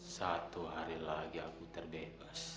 satu hari lagi aku terbebas